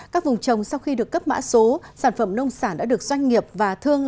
các vùng trồng sau khi được cấp mã số sản phẩm nông sản đã được doanh nghiệp và thương